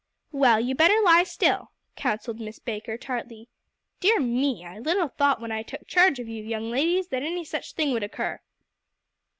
"Well, you better lie still," counselled Miss Baker tartly. "Dear me! I little thought when I took charge of you young ladies that any such thing would occur."